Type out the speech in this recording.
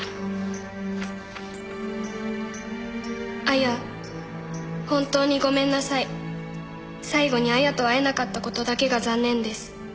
「亜矢ほんとうにごめんなさい」「最後に亜矢と会えなかったことだけが残念です」